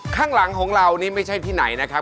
ข้างหลังของเรานี่ไม่ใช่ที่ไหนนะครับ